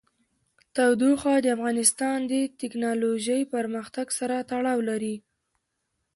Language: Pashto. تودوخه د افغانستان د تکنالوژۍ پرمختګ سره تړاو لري.